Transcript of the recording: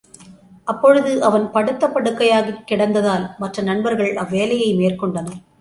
அப்பொழுது அவன் படுத்த படுக்கையாக் கிடந்ததால், மற்ற நண்பர்கள் அவ்வேலையை மெற்கொண்டனர்.